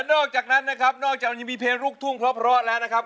นอกจากนั้นนะครับนอกจากยังมีเพลงลูกทุ่งเพราะแล้วนะครับ